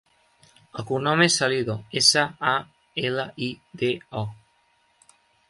El cognom és Salido: essa, a, ela, i, de, o.